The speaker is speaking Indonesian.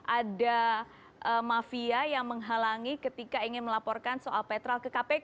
ada mafia yang menghalangi ketika ingin melaporkan soal petrol ke kpk